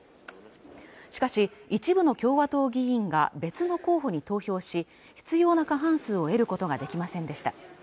しかし一部の共和党議員が別の候補に投票し必要な過半数を得ることができませんでした